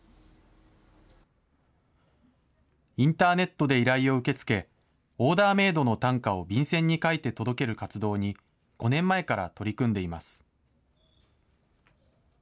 インターネットで依頼を受け付け、オーダーメードの短歌を便箋に書いて届ける活動に、５年前から取り組んでいます。